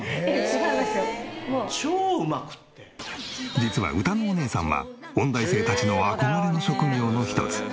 実はうたのおねえさんは音大生たちの憧れの職業の一つ。